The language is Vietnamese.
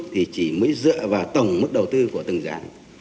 thì chỉ mới dựa vào tổng mức đầu tư của từng dự án